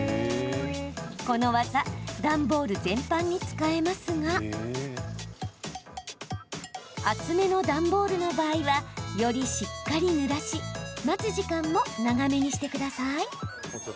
この技段ボール全般に使えますが厚めの段ボールの場合はよりしっかりぬらし待つ時間も長めにしてください。